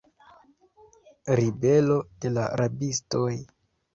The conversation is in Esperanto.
Ribelo de la rabistoj.